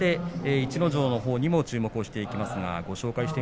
逸ノ城のほうにも注目していきます。